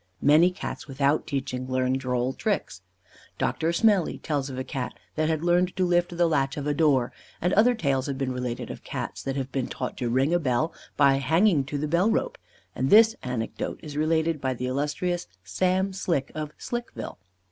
Many Cats, without teaching, learn droll tricks. Doctor Smellie tells of a Cat that had learned to lift the latch of a door; and other tales have been related of Cats that have been taught to ring a bell by hanging to the bell rope; and this anecdote is related by the illustrious Sam Slick, of Slickville.